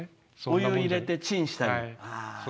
お湯入れて、チンしたり。